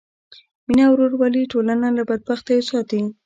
مینه او ورورولي ټولنه له بدبختیو ساتي.